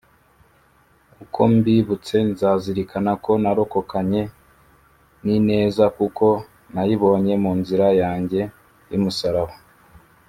uko mbibutse nzazirikana ko narokokanye n'ineza kuko nayibonye mu nzira yanjye y'umusalaba.